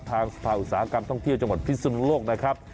ทางสภาอุตสาหกรรมท่องเที่ยวจังหวัดพิสุนโลกนะครับ